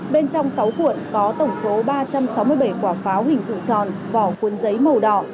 bên trong sáu cuộn có tổng số ba trăm sáu mươi bảy quả pháo hình trụ tròn vỏ cuốn giấy màu đỏ